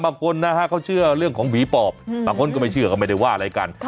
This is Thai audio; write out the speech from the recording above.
บางคนนะฮะเขาเชื่อเรื่องของผีปอบบางคนก็ไม่เชื่อก็ไม่ได้ว่าอะไรกัน